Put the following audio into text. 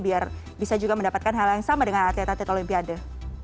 biar bisa juga mendapatkan hal yang sama dengan atlet atlet olimpiade